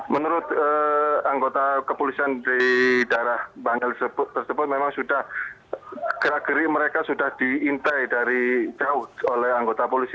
menurut anggota kepolisian di daerah bangil tersebut memang sudah gerak geri mereka sudah diintai dari jauh oleh anggota polisi